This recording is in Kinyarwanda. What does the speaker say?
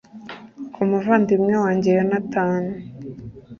ku muvandimwe wanjye yonatani